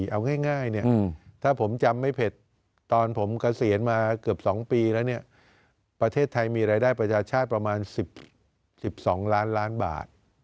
เอาง่ายเนี่ยถ้าผมจำไม่ผิดตอนผมเกษียณมาเกือบ๒ปีแล้วเนี่ยประเทศไทยมีรายได้ประชาชาติประมาณ๑๒ล้านล้านบาท